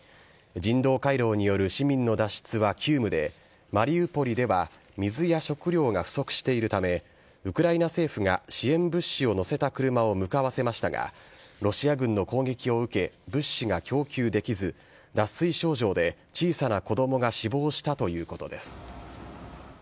人道回廊による市民の脱出は急務で、マリウポリでは水や食料が不足しているため、ウクライナ政府が支援物資を載せた車を向かわせましたが、ロシア軍の攻撃を受け、物資が供給できず、脱水症状で小さな子どもが死亡したということです。